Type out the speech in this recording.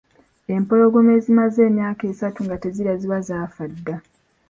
Empologoma ezimaze emyaka esatu nga tezirya ziba zaafa dda.